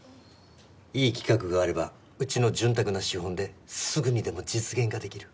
いい企画があればうちの潤沢な資本ですぐにでも実現ができる。